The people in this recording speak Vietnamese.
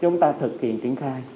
chúng ta thực hiện triển khai